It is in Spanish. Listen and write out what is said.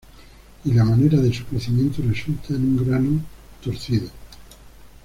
Y la manera de su crecimiento resulta en un grano torcido.